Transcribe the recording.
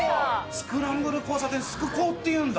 スクランブル交差点、スク交っていうんだ。